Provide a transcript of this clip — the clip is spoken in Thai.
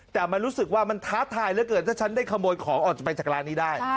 แต่มันรู้สึกว่ามันท้าทายเหลือเกินถ้าฉันได้ขโมยของออกจากไปจากร้านนี้ได้